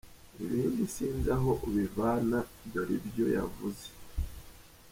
Ibindi sinzi aho ubivana dore ibyo yavuze: